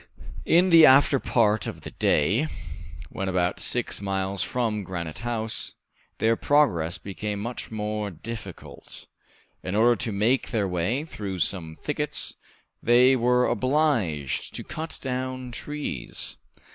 In the afterpart of the day, when about six miles from Granite House, their progress became much more difficult. In order to make their way through some thickets, they were obliged to cut down trees.